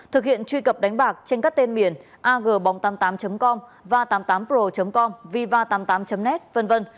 thực hiện truy cập đánh bạc trên các tên miền agbong tám mươi tám com va tám mươi tám pro com viva tám mươi tám net v v